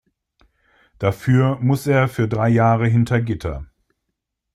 Dafür muss er für drei Jahre hinter Gitter.